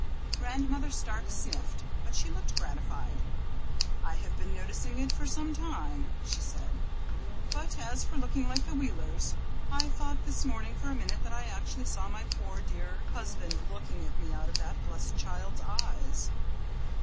Grandmother Stark sniffed, but she looked gratified. "I have been noticing it for some time," said she, "but as for looking like the Wheelers, I thought this morning for a minute that I actually saw my poor dear husband looking at me out of that blessed child's eyes."